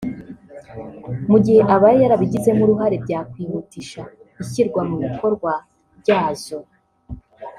Mu gihe abaye yarabigizemo uruhare byakwihutisha ishyirwa mu bikorwa ryazo